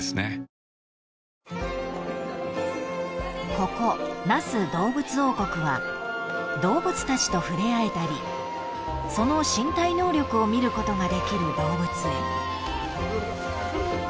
［ここ那須どうぶつ王国は動物たちと触れ合えたりその身体能力を見ることができる動物園］